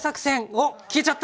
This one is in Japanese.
おっ消えちゃった。